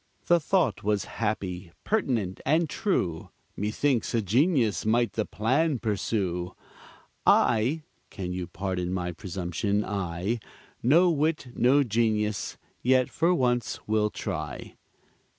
The thought was happy, pertinent, and true; Methinks a genius might the plan pursue. I (can you pardon my presumption), I No wit, no genius yet for once will try.